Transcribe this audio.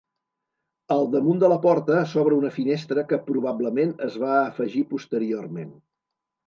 Al damunt de la porta s'obre una finestra que probablement es va afegir posteriorment.